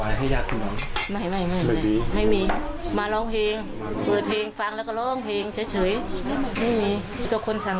หลานชายของผู้ต้องหาให้ความคิดเห็นไปในทิศทางเดียวกัน